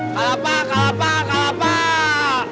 kalapak kalapak kalapak